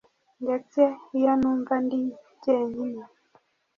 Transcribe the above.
ndetse iyo numva ndi jyenyine